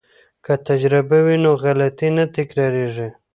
که تجربه وي نو غلطي نه تکراریږي.